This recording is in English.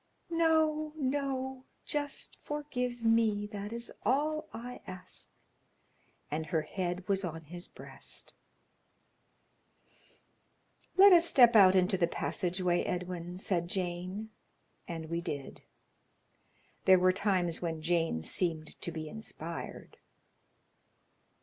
"No, no; just forgive me; that is all I ask," and her head was on his breast. "Let us step out into the passage way, Edwin," said Jane, and we did. There were times when Jane seemed to be inspired.